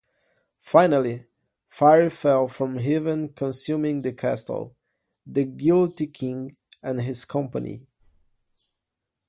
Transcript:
Finally, fire fell from heaven consuming the castle, the guilty king, and his company.